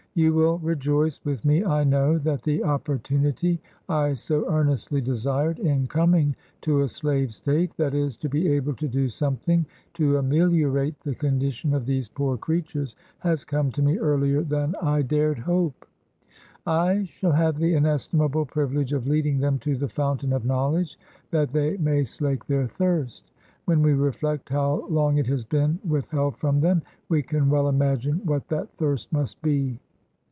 You will rejoice with me, I know, that the opportunity I so earnestly desired in coming to a slave State— that is, to be able to do some thfng to ameliorate the condition of these poor creatures —has come to me earlier than I dared hope. I shall have the inestimable privilege of leading them to the fountain of knowledge, that they may slake their thirst. When we reflect how long it has been withheld from them, we can well imagine what that thirst must be.